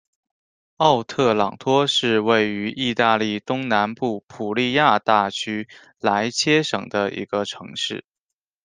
奥特朗托是位于义大利东南部普利亚大区莱切省的一个城市。